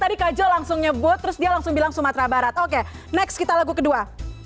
tadi kak jo langsung nyebut terus dia langsung bilang sumatera barat oke next kita lagu kedua